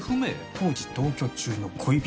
当時同居中の恋人。